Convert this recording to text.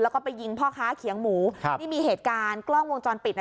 แล้วก็ไปยิงพ่อค้าเขียงหมูครับนี่มีเหตุการณ์กล้องวงจรปิด